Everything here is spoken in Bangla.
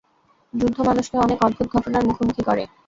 যুদ্ধ মানুষকে অনেক অদ্ভুত ঘটনার মুখোমুখি করে।